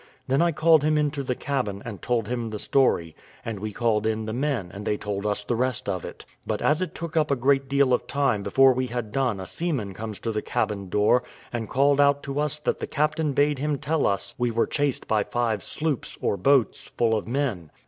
Then I called him into the cabin, and told him the story; and we called in the men, and they told us the rest of it; but as it took up a great deal of time, before we had done a seaman comes to the cabin door, and called out to us that the captain bade him tell us we were chased by five sloops, or boats, full of men.